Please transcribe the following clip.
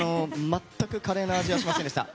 全くカレーの味はしませんでした。